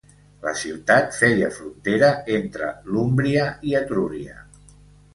La ciutat feia frontera entre l'Úmbria i Etrúria.